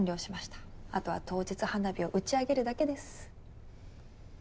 あとは当日花火を打ち上げるだけです。